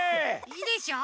いいでしょ？